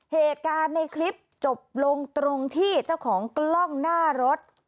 เหตุการณ์ในคลิปจบลงตรงที่เจ้าของกล้องหน้ารถ